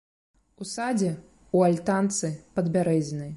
У садзе, у альтанцы, пад бярэзінай.